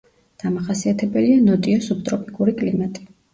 დამახასიათებელია ნოტიო სუბტროპიკული კლიმატი.